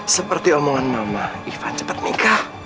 seperti omongan mama ivan cepat nikah